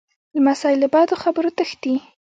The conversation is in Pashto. لمسی له بدو خبرو تښتي.